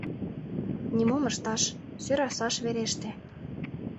Нимом ышташ, сӧрасаш вереште.